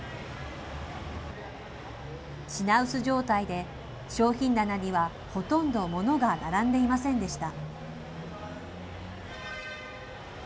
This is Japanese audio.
品薄状態で、商品棚にはほとんどものが並んでいませんでした。